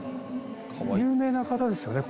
有名な方ですよね？